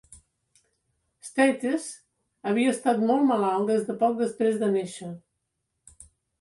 States havia estat molt malalt des de poc després de néixer.